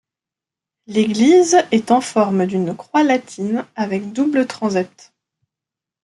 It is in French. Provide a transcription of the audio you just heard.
L'église est en forme d'une croix latine avec doubles transepts.